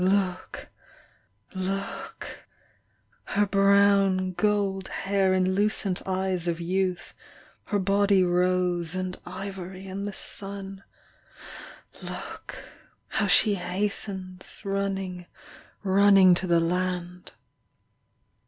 Look ... Look ... Her brown gold hair and lucent eyes of youth, Her body rose and ivory in the sun ... Look, How she hastens, Running, running to the land.